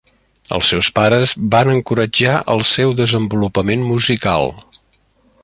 Els seus pares van encoratjar el seu desenvolupament musical.